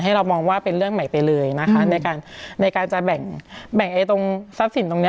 เรามองว่าเป็นเรื่องใหม่ไปเลยนะคะในการในการจะแบ่งตรงทรัพย์สินตรงนี้